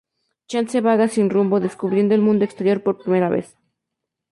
Chance vaga sin rumbo, descubriendo el mundo exterior por primera vez.